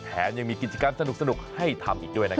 แถมยังมีกิจกรรมสนุกให้ทำอีกด้วย